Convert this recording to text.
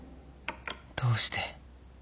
どうして